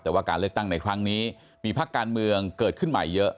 แต่ว่าการเลือกตั้งในครั้งนี้มีพักการเมืองเกิดขึ้นใหม่เยอะ